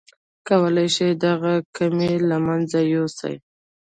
کولای شئ دغه کمی له منځه يوسئ.